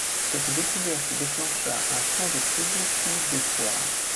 Cette découverte déclencha un temps de troubles, puis d'espoir.